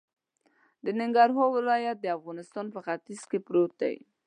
د ننګرهار ولایت د افغانستان په ختیځ کی پروت دی